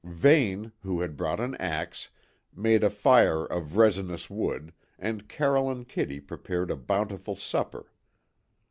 Vane, who had brought an axe, made a fire of resinous wood, and Carroll and Kitty prepared a bountiful supper.